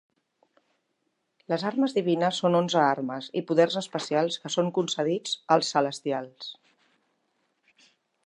Les Armes Divines són onze armes i poders especials que són concedits als Celestials.